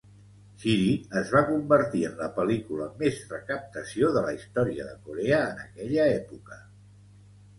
"Shiri" es va convertir en la pel·lícula amb més recaptació de la història de Corea en aquella època.